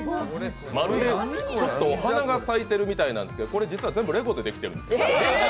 まるでちょっとお花が咲いているみたいなんですけど、これ実は全部レゴでできてるんです。